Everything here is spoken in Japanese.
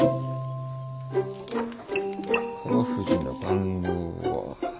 川藤の番号は。